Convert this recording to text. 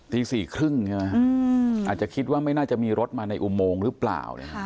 ตี๔๓๐ใช่ไหมอาจจะคิดว่าไม่น่าจะมีรถมาในอุโมงหรือเปล่า